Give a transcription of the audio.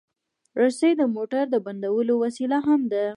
رسۍ د موټر د بندولو وسیله هم ده.